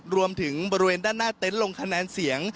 รวมถึงบริเวณด้านหน้าเต็นลงคะแนนเสียง